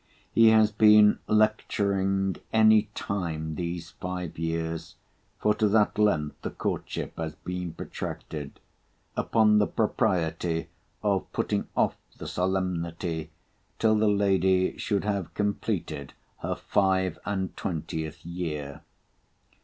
He has been lecturing any time these five years—for to that length the courtship has been protracted—upon the propriety of putting off the solemnity, till the lady should have completed her five and twentieth year.